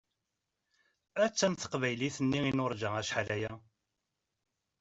Attan teqbaylit-nni i nuṛǧa acḥal aya!